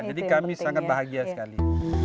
kami sangat bahagia sekali